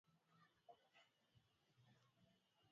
mary stuart alifungwa kwa kipindi cha miaka kumi na nane